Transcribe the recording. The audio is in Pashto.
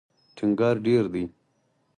ټینګار ډېر دی.